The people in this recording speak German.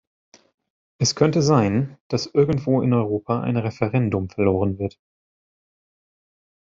Es könnte sein, dass irgendwo in Europa ein Referendum verloren wird.